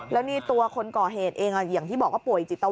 แล้วนี่ตัวคนก่อเหตุเองอย่างที่บอกว่าป่วยจิต